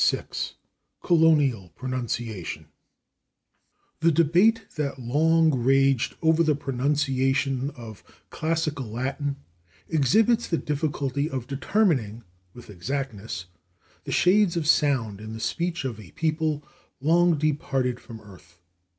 § 6 /Colonial Pronunciation/ The debate that long raged over the pronunciation of classical Latin exhibits the difficulty of determining with exactness the shades of sound in the speech of a people long departed from earth.